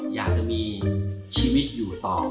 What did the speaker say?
อยากจะมีชีวิตอยู่ต่อ